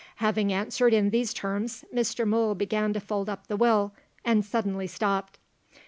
Having answered in these terms, Mr. Mool began to fold up the Will and suddenly stopped.